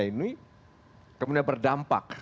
ini kemudian berdampak